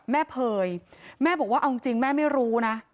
เผยแม่บอกว่าเอาจริงแม่ไม่รู้นะ